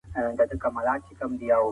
تشې وعدې ستا ذهن خرابوي.